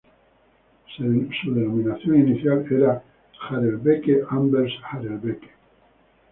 Su denominación inicial era Harelbeke-Anvers-Harelbeke.